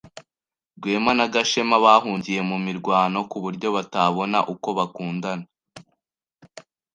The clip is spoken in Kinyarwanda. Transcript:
Rwema na Gashema bahugiye mu mirwano kuburyo batabona uko bakundana.